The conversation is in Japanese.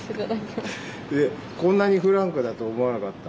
こんなにフランクだと思わなかった。